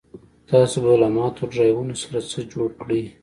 تاسو به له ماتو ډرایوونو سره څه جوړ کړئ